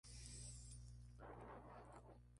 Desde el momento que vio las teclas, pudo tocarlas.